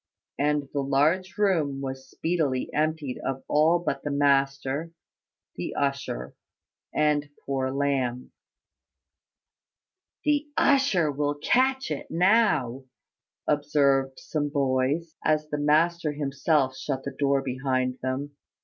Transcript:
And the large room was speedily emptied of all but the master, the usher, and poor Lamb. "The usher will catch it now," observed some boys, as the master himself shut the door behind them.